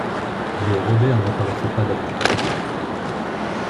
Mais Robert n'apparaissait pas davantage.